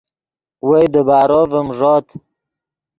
وئے دیبارو ڤیم ݱوت